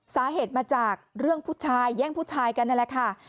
สาเหตุมาจากเรื่องผู้ชายแย่งผู้ชายกันนั่นแหละค่ะ